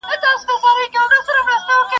چي یې واورم درد مي هېر سي چي درد من یم.